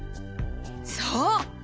そう！